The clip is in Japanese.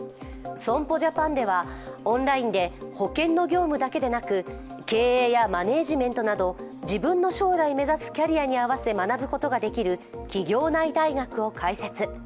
損保ジャパンではオンラインで保険の業務だけでなく経営やマネジメントなど自分の将来目指すキャリアに合わせ学ぶことができる企業内大学を開設。